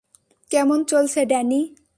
কেমন চলছে, ড্যানি?